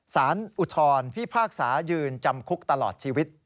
อุทธรพิพากษายืนจำคุกตลอดชีวิต